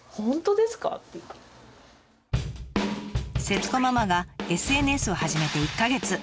節子ママがＳＮＳを始めて１か月。